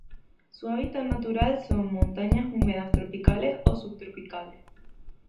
Su hábitat natural son: montañas húmedas tropicales o subtropicales